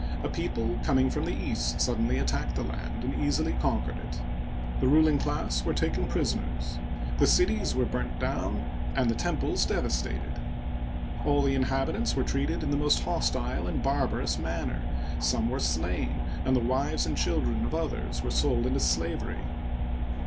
A people coming from the east suddenly attacked the land and easily conquered it. The ruling class were taken prisoners, the cities were burned down, and the temples devastated. All the inhabitants were treated in the most hostile and barbarous manner ; some were slain, and the wives and children of others were sold into slavery.